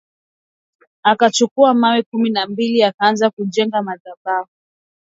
Akachukua mawe kumi na mbili akaanza kujenga madhabau.